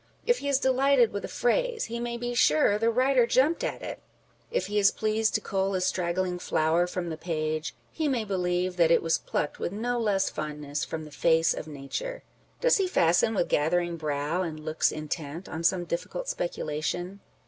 If he is delighted with a phrase, he may be sure the writer jumped at it ; if he is pleased to cull a straggling flower from the page, he may believe that it was plucked with no less fondness from the face of nature. Does he fasten, with gathering brow and looks intent, on some difficult speculation?